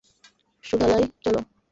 সুদালাই, চলো।